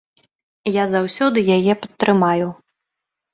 Я заўсёды яе падтрымаю.